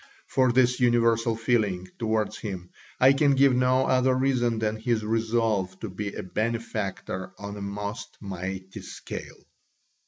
For this universal feeling towards him I can give no other reason than his resolve to be a benefactor on a most mighty scale.